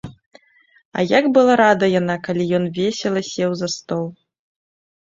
А як была рада яна, калі ён весела сеў за стол.